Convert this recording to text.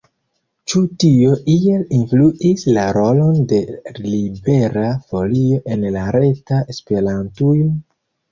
Ĉu tio iel influis la rolon de Libera Folio en la reta Esperantujo?